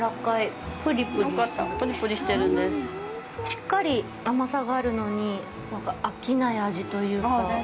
しっかり甘さがあるのに飽きない味というか。